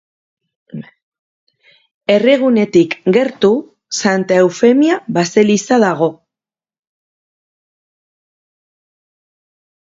Herrigunetik gertu, Santa Eufemia baseliza dago.